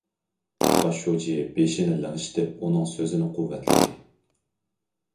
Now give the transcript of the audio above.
باش شۇجى بېشىنى لىڭشىتىپ ئۇنىڭ سۆزىنى قۇۋۋەتلىدى.